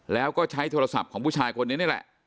แล้วก็ใช้โทรศัพท์ของผู้ชายคนนี้นี่แหละ